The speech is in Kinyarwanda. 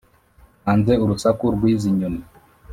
Nanze urusaku rwizi nyoni